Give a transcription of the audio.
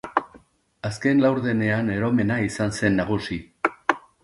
Azken laurdenean eromena izan zen nagusi.